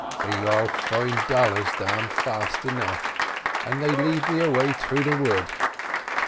They find all dollars (damn um) fast enough, and they lead me away through the wood.